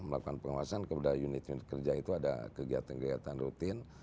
melakukan pengawasan kepada unit unit kerja itu ada kegiatan kegiatan rutin